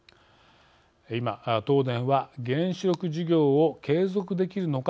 今東電は原子力事業を継続できるのか